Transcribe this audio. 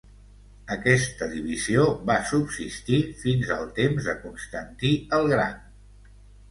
Aquesta divisió va subsistir fins al temps de Constantí el gran.